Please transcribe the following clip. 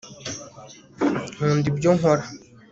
nkunda ibyo nkora